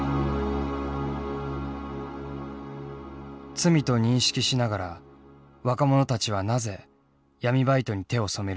罪と認識しながら若者たちはなぜ闇バイトに手を染めるのか。